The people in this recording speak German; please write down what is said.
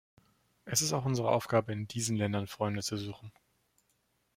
Es ist auch unsere Aufgabe, in diesen Ländern Freunde zu suchen.